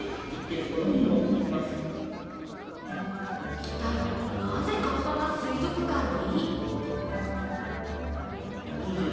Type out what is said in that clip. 一体、なぜカッパが水族館に？